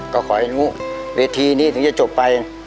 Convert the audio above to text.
ก็ขอให้รู้เวทีนี้ถึงจะจบไป